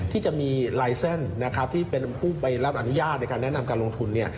ที่จะมีลายเซ็นต์ที่เป็นผู้ไปรับอนุญาตในการแนะนำการลงทุน